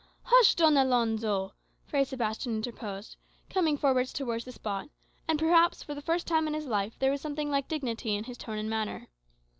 "Hush, Don Alonzo!" Fray Sebastian interposed, coming forward towards the spot; and perhaps for the first time in his life there was something like dignity in his tone and manner.